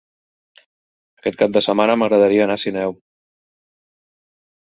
Aquest cap de setmana m'agradaria anar a Sineu.